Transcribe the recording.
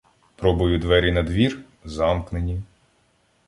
Пробую двері надвір — замкнені.